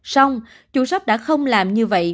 xong chủ shop đã không làm như vậy